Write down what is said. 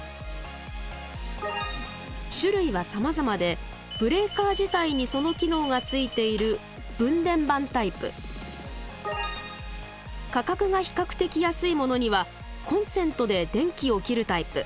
種類はさまざまでブレーカー自体にその機能がついている価格が比較的安いものにはコンセントで電気を切るタイプ。